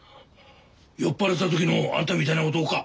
酔っ払った時のあんたみたいな男か。